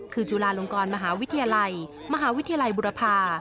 คือจุฬาลงกรมหาวิทยาลัยมหาวิทยาลัยบุรพา